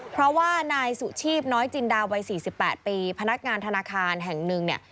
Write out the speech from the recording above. เพราะว่านายสุชีพน้อยจินดาวัย๔๘ปีพนักงานธนาคารแห่งหนึ่งเนี่ย